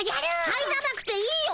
入らなくていいよ。